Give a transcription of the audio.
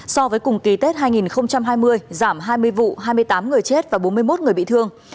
so với cùng kỳ tết hai nghìn hai mươi giảm hai mươi vụ hai mươi tám người chết và bốn mươi một người bị thương